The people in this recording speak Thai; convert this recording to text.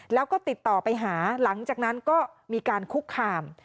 แล้วก็ติดต่อไปหาหลังจากนั้นก็มีการคุกคาม